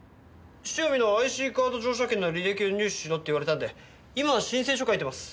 汐見のＩＣカード乗車券の履歴を入手しろって言われたんで今申請書書いてます。